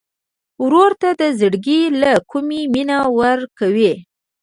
ورور ته د زړګي له کومي مینه ورکوې.